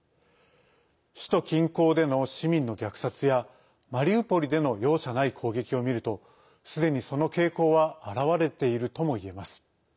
首都近郊での市民の虐殺やマリウポリでの容赦ない攻撃を見るとすでに、その傾向は表れているともいえます。